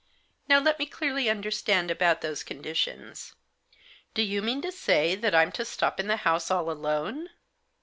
" Now let me clearly understand about those con ditions. Do you mean to say that I'm to stop in the house all alone